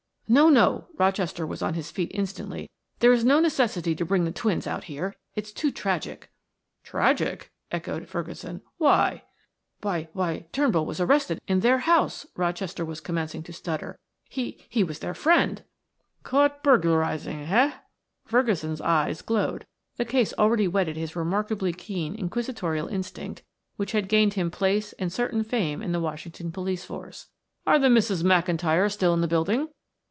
"No, no!" Rochester was on his feet instantly. "There is no necessity to bring the twins out here it's too tragic!" "Tragic?" echoed Ferguson. "Why?" "Why why Turnbull was arrested in their house," Rochester was commencing to stutter. "He was their friend " "Caught burglarizing, heh?" Ferguson's eyes glowed; the case already whetted his remarkably keen inquisitorial instinct which had gained him place and certain fame in the Washington police force. "Are the Misses McIntyre still in the building?"